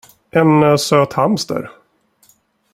En söt hamster.